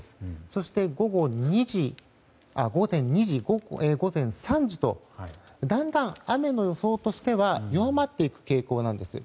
そして、午前２時、午前３時とだんだん雨の予想としては弱まっていく傾向なんです。